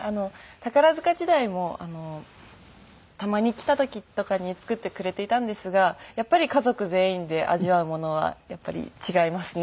宝塚時代もたまに来た時とかに作ってくれていたんですがやっぱり家族全員で味わうものは違いますね。